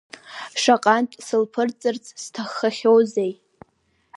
Шаҟантә сылԥырҵырц сҭаххахьоузеи…